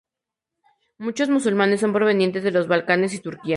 Muchos musulmanes son provenientes de los Balcanes y Turquía.